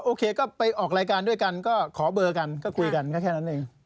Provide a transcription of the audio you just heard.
โอเคก็ไปออกรายการด้วยกันก็ขอเบอร์กันก็คุยกันก็แค่นั้นเอง